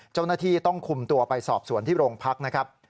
เจ้าหน้าที่ต้องคุมตัวไปสอบสวนที่โรงพักนะครับ